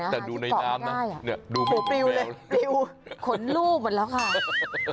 เบักยากได้อ่ะขนลูบเหมือนแล้วครับ